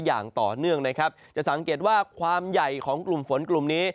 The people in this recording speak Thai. อย่างต่อเนื่องนะครับจะสังเกตว่าความใหญ่ของกลุ่มฝนกลุ่มนี้